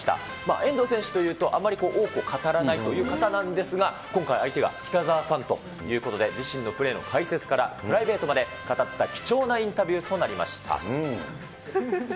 遠藤選手というとあまり多くを語らないという方なんですが、今回相手が北澤さんということで、自身のプレーの解説からプライベートまで語った貴重なインタビューとなりました。